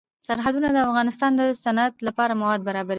سرحدونه د افغانستان د صنعت لپاره مواد برابروي.